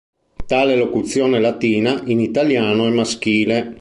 Tale locuzione latina, in italiano, è maschile.